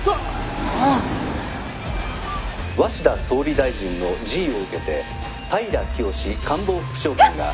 「鷲田総理大臣の辞意を受けて平清志官房副長官が」。